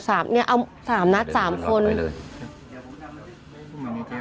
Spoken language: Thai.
โอ้สามเนี่ยเอาสามนะสามคนเริ่มกันต่อไปเลย